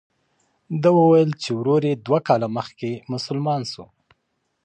ده وویل چې ورور یې دوه کاله مخکې مسلمان شو.